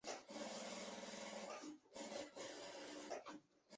此机制包括感官系统对存在寄生虫感染线索。